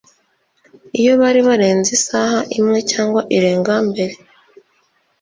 Iyo bari barenze isaha imwe cyangwa irenga mbere